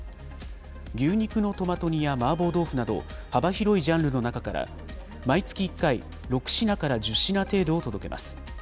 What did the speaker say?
牛肉のトマト煮や麻婆豆腐など、幅広いジャンルの中から、毎月１回、６品から１０品程度を届けます。